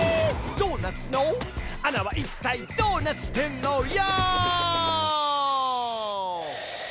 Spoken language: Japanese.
「ドーナツのあなはいったいどーなつてんのよ」